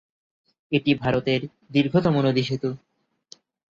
এটি ভারতের দীর্ঘতম নদী সেতু।